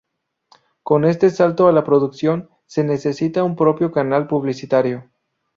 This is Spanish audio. Con este salto a la producción se necesita un propio canal publicitario.